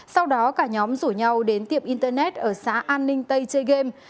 sau đó cả nhóm rủ nhau đến tiệm internet ở xã an ninh tây chơi game